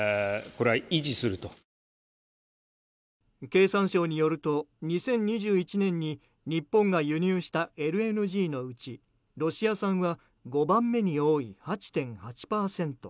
経産省によると２０２１年に日本が輸入したＬＮＧのうちロシア産は５番目に多い８．８％。